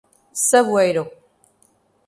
Saboeiro